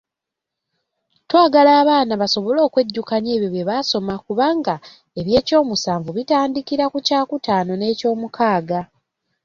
Twagala abaana basobole okwejjukanya ebyo bye basoma kubanga eby'ekyomusanvu bitandikira ku kyakutaano n'ekyomukaaga.